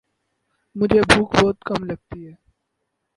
مجھے بھوک بہت کم لگتی ہے